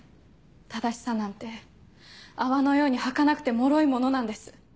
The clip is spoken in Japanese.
正しさなんて泡のように儚くてもろいものなんです。